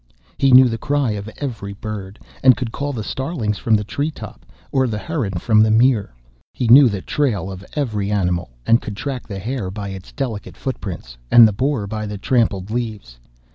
He knew the cry of every bird, and could call the starlings from the tree top, or the heron from the mere. He knew the trail of every animal, and could track the hare by its delicate footprints, and the boar by the trampled leaves.